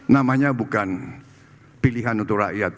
namanya bukan pilihan untuk rakyat